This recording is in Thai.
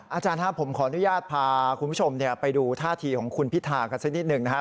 อาจารย์ครับผมขออนุญาตพาคุณผู้ชมไปดูท่าทีของคุณพิธากันสักนิดหนึ่งนะครับ